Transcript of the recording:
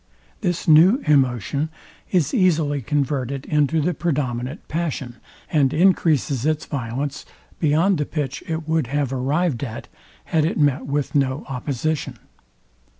This new emotion is easily converted into the predominant passion, and encreases its violence, beyond the pitch it would have arrived at had it met with no opposition.